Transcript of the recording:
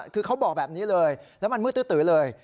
คือเขาบอกแบบนี้เลยแล้วมันมืดตื้อเลย